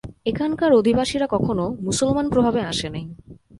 এখানকার অধিবাসীরা কখনও মুসলমান-প্রভাবে আসে নাই।